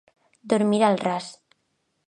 Dormir al ras.